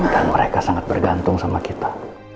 dan mereka sangat bergantung sama kita